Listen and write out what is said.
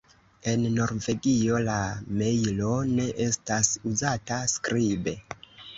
En Norvegio la mejlo ne estas uzata skribe.